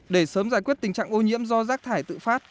để sớm giải quyết tình trạng ô nhiễm do rác thải tự phát